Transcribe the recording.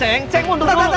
aku mau kemana